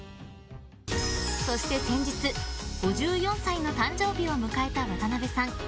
そして先日５４歳の誕生日を迎えた渡辺さん。